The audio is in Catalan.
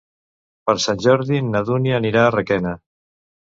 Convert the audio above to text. Per Sant Jordi na Dúnia anirà a Requena.